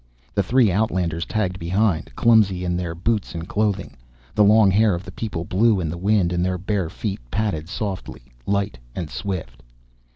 The three outlanders tagged behind, clumsy in their boots and clothing. The long hair of the people blew in the wind and their bare feet padded softly, light and swift.